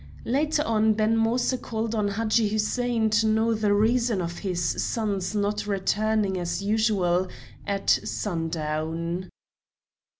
Later on Ben Moïse called on Hadji Hussein to know the reason of his son's not returning as usual at sundown.